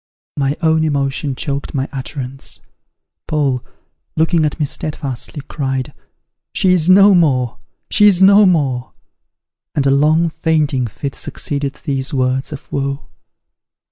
'" My own emotion choked my utterance. Paul, looking at me steadfastly, cried, "She is no more! she is no more!" and a long fainting fit succeeded these words of woe.